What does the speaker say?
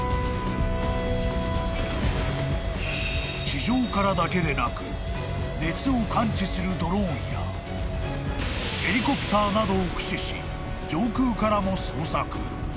［地上からだけでなく熱を感知するドローンやヘリコプターなどを駆使し上空からも捜索］